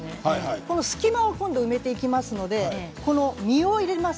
この隙間を埋めていきますので実を入れます。